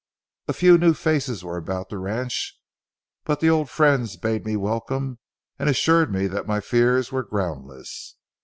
A few new faces were about the ranch, but the old friends bade me a welcome and assured me that my fears were groundless.